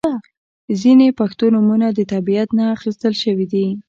• ځینې پښتو نومونه د طبیعت نه اخستل شوي دي.